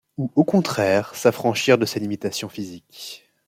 Ou au contraire s'affranchir de ces limitations physiques.